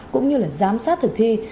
cũng như là giám sát thực thi